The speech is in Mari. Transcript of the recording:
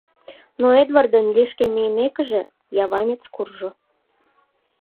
Но Эдвардын лишке мийымекыже, яванец куржо.